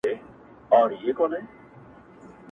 پر خپلوانو گاونډیانو مهربان وو.!